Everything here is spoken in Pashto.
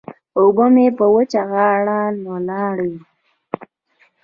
اوبه مې په وچه غاړه ولاړې.